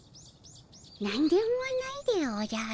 何でもないでおじゃる。